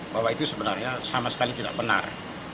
bahwa itu sebenarnya sama sekali tidak benar